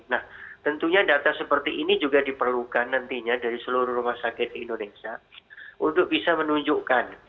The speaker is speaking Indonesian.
nah tentunya data seperti ini juga diperlukan nantinya dari seluruh rumah sakit indonesia untuk bisa menunjukkan